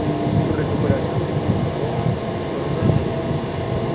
Su recuperación se complicó con una neumonía.